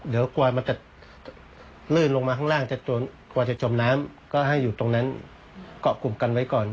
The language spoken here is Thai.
เดี๋ยวกลัวมันจะลื่นลงมาข้างล่างจะกลัวจะจมน้ำก็ให้อยู่ตรงนั้นเกาะกลุ่มกันไว้ก่อน